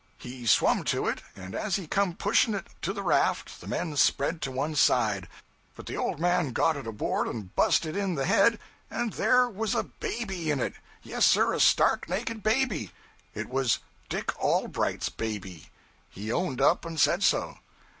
'He swum to it, and as he come pushing it to the raft, the men spread to one side. But the old man got it aboard and busted in the head, and there was a baby in it! Yes, sir, a stark naked baby. It was Dick Allbright's baby; he owned up and said so.